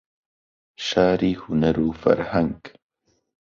شاری هونەر و فەرهەنگ